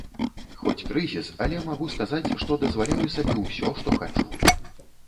Хоць крызіс, але магу сказаць, што дазваляю сабе ўсё, што хачу.